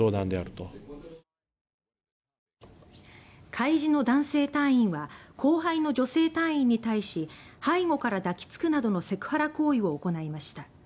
海自の男性隊員は後輩の女性隊員に対し背後から抱き着くなどのセクハラ行為を行いました。